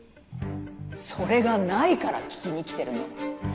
それがないから聞きにきてるの。